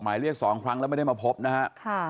หมายเรียก๒ครั้งแล้วไม่ได้มาพบนะฮะ